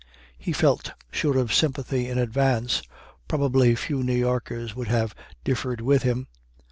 He felt sure of sympathy in advance. Probably few New Yorkers would have differed with him.